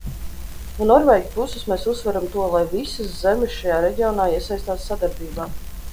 No norvēģu puses mēs uzsveram to, lai visas zemes šajā reģionā iesaistās sadarbībā.